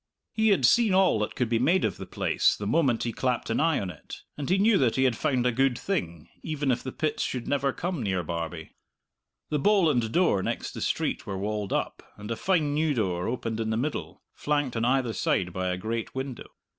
He had seen all that could be made of the place the moment he clapped an eye on it, and he knew that he had found a good thing, even if the pits should never come near Barbie. The bole and door next the street were walled up, and a fine new door opened in the middle, flanked on either side by a great window.